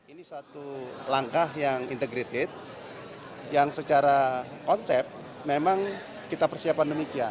ini satu langkah yang integrated yang secara konsep memang kita persiapan demikian